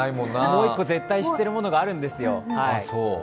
もう１個、絶対知ってるものがあるんですよ。